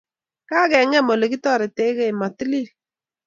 Kagengem olegitoretegei, matilil